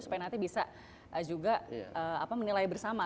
supaya nanti bisa juga menilai bersama